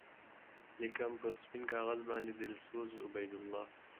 لیکم پر سپین کاغذ باندی دلسوز عبیدالله